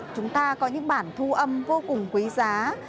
chúng ta có những bản thu âm vô cùng quý giá